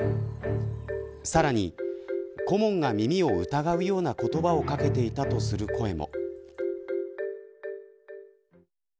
さらに顧問が耳を疑うような言葉をかけていたとする声も。